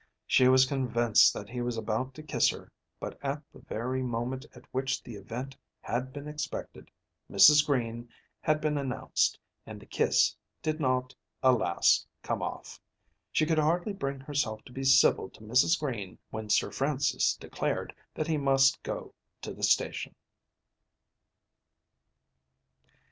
She was convinced that he was about to kiss her; but at the very moment at which the event had been expected, Mrs. Green had been announced and the kiss did not, alas, come off. She could hardly bring herself to be civil to Mrs. Green when Sir Francis declared that he must go to the station.